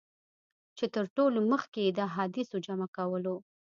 چي تر ټولو مخکي یې د احادیثو جمع کولو.